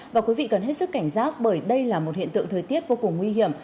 và quý vị cần hết sức cảnh giác bởi đây là một hiện tượng thời tiết vô cùng nguy hiểm